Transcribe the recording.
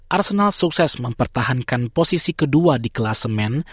arsenal sukses mempertahankan posisi kedua di kelas semen